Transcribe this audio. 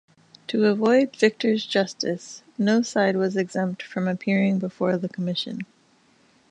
To avoid victor's justice, no side was exempt from appearing before the commission.